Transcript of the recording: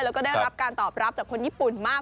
แล้วก็ได้รับการตอบรับจากคนญี่ปุ่นมาก